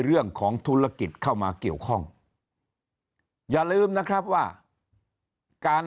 เรื่องของธุรกิจเข้ามาเกี่ยวข้องอย่าลืมนะครับว่าการ